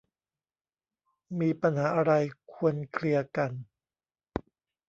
มีปัญหาอะไรควรเคลียร์กัน